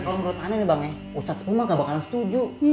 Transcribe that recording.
dan orang orang aneh nih bang ustadz sepuh mah nggak bakalan setuju